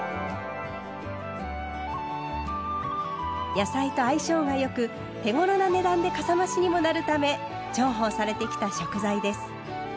野菜と相性が良く手ごろな値段でかさ増しにもなるため重宝されてきた食材です。